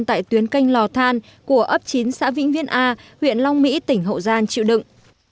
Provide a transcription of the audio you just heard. tại tuyến kênh lò than của ấp chín xã vĩnh viện a huyện long vĩ tỉnh hậu giang chịu đựng